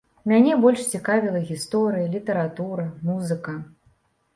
Мяне больш цікавіла гісторыя, літаратура, музыка.